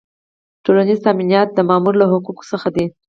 ټولیز تامینات د مامور له حقوقو څخه دي.